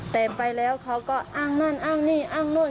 แต่ไปแล้วเขาก็อ้างนั่นอ้างนี่อ้างนู่น